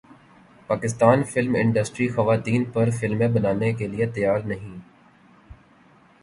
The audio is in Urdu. پاکستان فلم انڈسٹری خواتین پر فلمیں بنانے کیلئے تیار نہیں